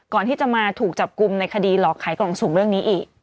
ก่อนที่จะมาถูกจับกลุ่มในคดีหลอกขายกล่องสูงเรื่องนี้อีก